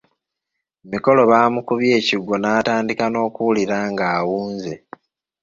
Mikolo bamukubye ekigwo n’atandika n'okuwulira ng'awunze.